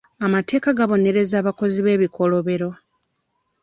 Amateeka gabonereza abakozi b'ebikolobero.